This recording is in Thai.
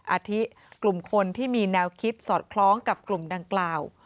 อาทิกลุ่มคนที่มีแนวคิดสอดคล้องกับกลุ่มดังกล่าว